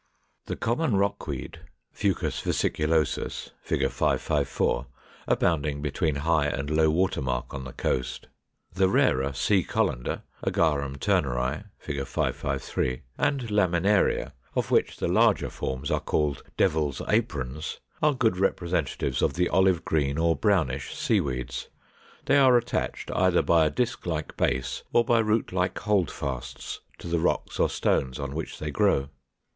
] 508. The common Rockweed (Fucus vesiculosus, Fig. 554, abounding between high and low water mark on the coast), the rarer Sea Colander (Agarum Turneri, Fig. 553), and Laminaria, of which the larger forms are called Devil's Aprons, are good representatives of the olive green or brownish Seaweeds. They are attached either by a disk like base or by root like holdfasts to the rocks or stones on which they grow.